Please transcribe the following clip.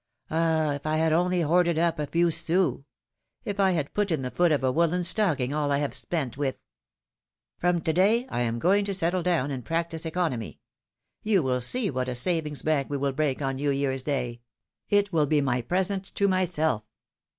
Ah! if I had only hoarded up a few sou^^! If I had put in the foot of a woollen stocking all I have spent with —! From to day I am going to settle down and practise economy ; you will see what a savings piiilom^:ne^s mareiages. 185 bank we will break on New Year's day. It will be my present to myself!"